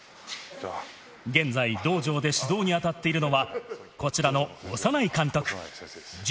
現在、道場で指導に当たっているのは、こちらの小山内監督。